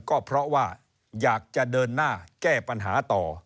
ก็เพราะว่าอยากจะเดินหน้าแก้ปัญหาต่อ